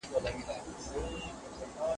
د ژړي مازیګر منګیه دړي وړي سې چي پروت یې